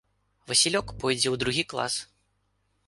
Васілёк пойдзе ў другі клас.